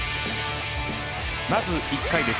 まず１回です